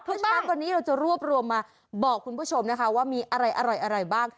ค่ำวันนี้เราจะรวบรวมมาบอกคุณผู้ชมนะคะว่ามีอะไรอร่อยบ้าง